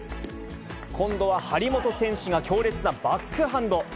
今度は張本選手が強烈なバックハンド。